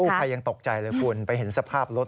ผู้ภัยยังตกใจเลยฝนไปเห็นสภาพรถ